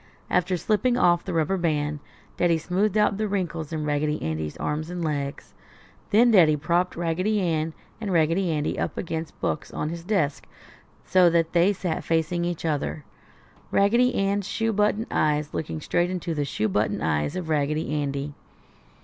After slipping off the rubber band, Daddy smoothed out the wrinkles in Raggedy Andy's arms and legs. Then Daddy propped Raggedy Ann and Raggedy Andy up against books on his desk, so that they sat facing each other; Raggedy Ann's shoe button eyes looking straight into the shoe button eyes of Raggedy Andy.